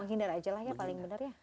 menghindar aja lah ya paling benar ya